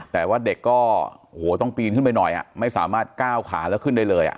แต่ว่าเด็กก็โอ้โหต้องปีนขึ้นไปหน่อยไม่สามารถก้าวขาแล้วขึ้นได้เลย